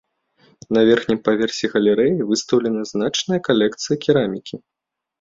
На верхнім паверсе галерэі выстаўлена значная калекцыя керамікі.